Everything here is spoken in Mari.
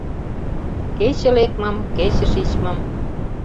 Кече лекмым, кече шичмым